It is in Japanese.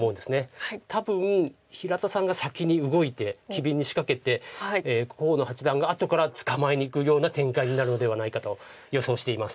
多分平田さんが先に動いて機敏に仕掛けて河野八段が後から捕まえにいくような展開になるのではないかと予想しています。